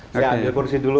saya ambil kursi dulu